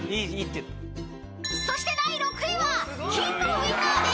［そして第６位は］